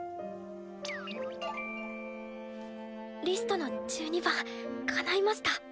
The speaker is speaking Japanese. ピィーリストの１２番かないました。